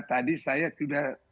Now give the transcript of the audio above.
tadi saya sudah